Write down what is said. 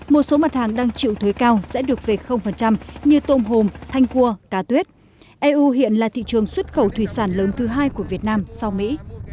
một số mặt hàng đang chịu thuế cao sẽ được về như tôm hồm thanh cua cá tuyết eu hiện là thị trường xuất khẩu thủy sản lớn thứ hai của việt nam sau mỹ